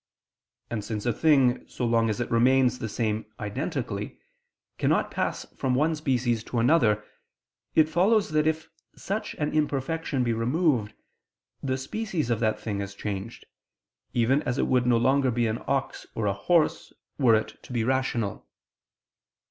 And since a thing, so long as it remains the same identically, cannot pass from one species to another, it follows that if such an imperfection be removed, the species of that thing is changed: even as it would no longer be an ox or a horse, were it to be rational.